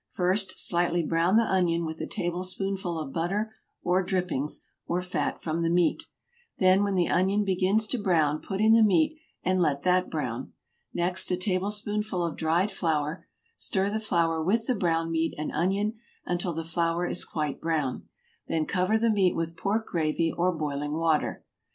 First slightly brown the onion with a tablespoonful of butter or drippings or fat from the meat; then when the onion begins to brown put in the meat and let that brown. Next a tablespoonful of dried flour; stir the flour with the brown meat and onion until the flour is quite brown; then cover the meat with pork gravy or boiling water.